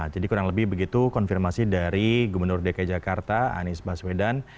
jadi kurang lebih begitu konfirmasi dari gubernur dki jakarta anies baswedan